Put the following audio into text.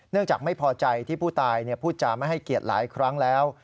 จากไม่พอใจที่ผู้ตายพูดจาไม่ให้เกียรติหลายครั้งแล้ว